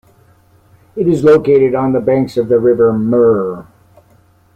It is located on the banks of the river Mur.